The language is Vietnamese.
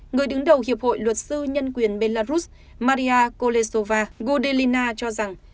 người đứng đầu hiệp hội luật sư nhân quyền belarus maria kolesova gudelina cho rằng